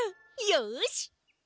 よし。